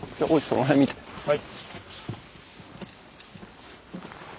はい。